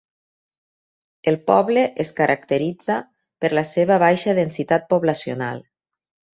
El poble es caracteritza per la seva baixa densitat poblacional.